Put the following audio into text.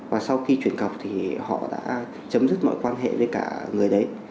và sau khi chuyển cọc thì họ đã chấm dứt mọi quan hệ với cả người đấy